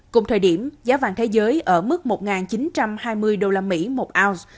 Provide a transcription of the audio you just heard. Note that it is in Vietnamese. cùng thời điểm giá vàng thế giới ở mức một nghìn chín trăm hai mươi đô la mỹ một ounce